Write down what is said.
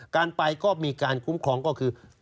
การไปก็มีการคุ้มครองก็คือ